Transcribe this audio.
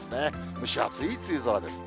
蒸し暑い梅雨空です。